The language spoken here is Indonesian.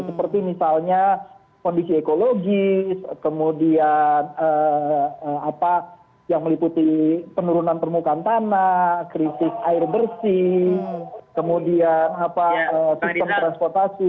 seperti misalnya kondisi ekologis kemudian yang meliputi penurunan permukaan tanah krisis air bersih kemudian sistem transportasi